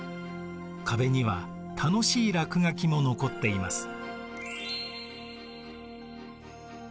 壁には楽しい落書きも残っています。